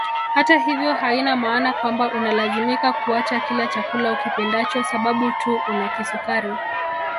Hata hivyo haina maana kwamba unalazimika kuacha kila chakula ukipendacho sababu tu una kisukari